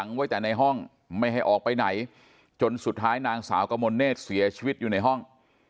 ไว้แต่ในห้องไม่ให้ออกไปไหนจนสุดท้ายนางสาวกมลเนธเสียชีวิตอยู่ในห้อง